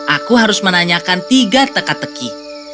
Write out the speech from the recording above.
aku harus menanyakan tiga teka teki